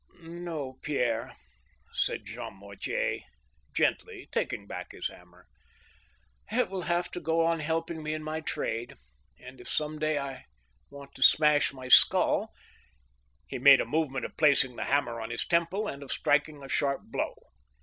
" No, Pierre," said Jean Mortier, gently, taking back his ham mer. " It will have to go on helping me in my trade ; and if some day I want to smash my skull —" He made a movement of placing the hammer on his temple and of striking a sharp blow.